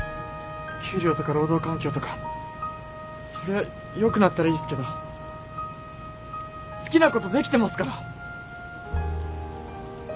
給料とか労働環境とかそりゃ良くなったらいいっすけど好きなことできてますから。